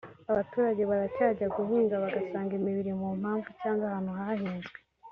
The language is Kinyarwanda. Abaturage baracyajya guhinga bagasanga imibiri mu mpavu cyangwa ahantu hahinzwe